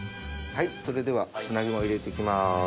はいそれでは砂肝を入れて行きます。